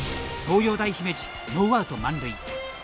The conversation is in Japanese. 東洋大姫路、ノーアウト満塁。